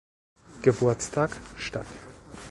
Geburtstag statt.